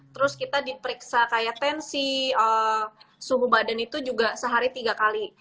terus kita diperiksa kayak tensi suhu badan itu juga sehari tiga kali